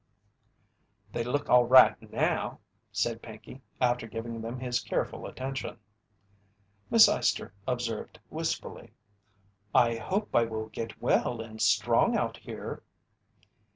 "They look all right now," said Pinkey, after giving them his careful attention. Miss Eyester observed wistfully: "I hope I will get well and strong out here."